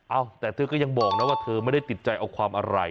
เอ้าแต่เธอก็ยังบอกนะว่าเธอไม่ได้ติดใจเอาความอะไร